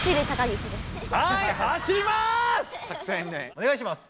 おねがいします！